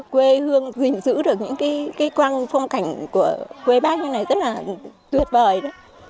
quê hương gìn giữ được những cái quan phong cảnh của quê bác như thế này rất là tuyệt vời đấy